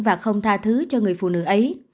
và không tha thứ cho người phụ nữ ấy